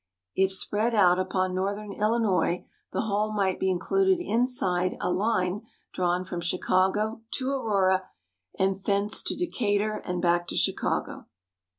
If spread out upon northern Illinois the whole might be included inside a line drawn from Chicago to Aurora and thence to Decatur and back to Chicago.